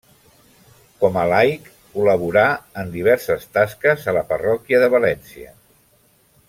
Com a laic col·laborà en diverses tasques a la parròquia de València.